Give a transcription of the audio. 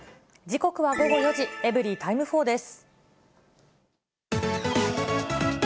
時刻は午後４時、エブリィタイム４です。